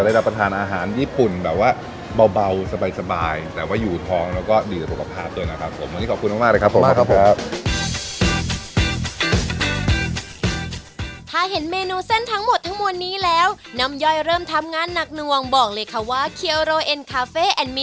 จะได้รับประทานอาหารญี่ปุ่นแบบว่าเบาสบายแต่ว่าอยู่ท้องแล้วก็ดื่มกับผักด้วยนะครับผม